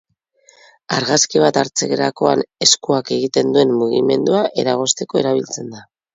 Argazki bat hartzerakoan eskuak egiten duen mugimendua eragozteko erabiltzen da.